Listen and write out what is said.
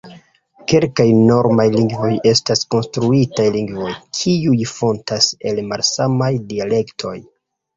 Kelkaj normaj lingvoj estas konstruitaj lingvoj, kiuj fontas el malsamaj dialektoj.